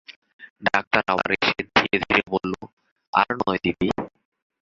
Doctor আবার এসে ধীরে ধীরে বললে, আর নয় দিদি।